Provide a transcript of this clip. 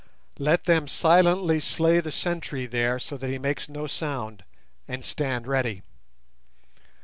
Let them silently slay the sentry there so that he makes no sound, and stand ready.